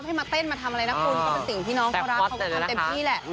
ให้มาเต้นมาทำอะไรนะคุณก็เป็นสิ่งที่น้องเขารักเขาก็ทำเต็มที่แหละ